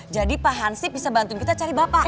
jadi pak hansip bisa bantuin kita cari bapak